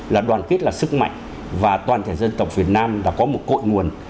là đoàn kết là sức mạnh và toàn thể dân tộc việt nam đã có một cội nguồn